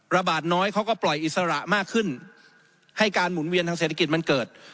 ระบาดน้อยเขาก็ปล่อยอิสระมากขึ้นให้การหมุนเวียนทางเศรษฐกิจมันเกิด